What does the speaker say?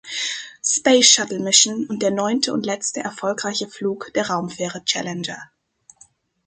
Space-Shuttle-Mission und der neunte und letzte erfolgreiche Flug der Raumfähre Challenger.